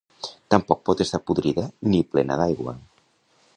Tampoc pot estar podrida ni plena d'aigua.